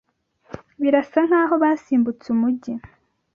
Birasa nkaho basimbutse umujyi.